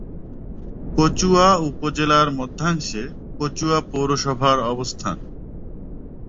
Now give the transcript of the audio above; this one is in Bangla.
কচুয়া উপজেলার মধ্যাংশে কচুয়া পৌরসভার অবস্থান।